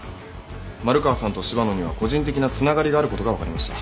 丸川さんと柴野には個人的なつながりがあることが分かりました。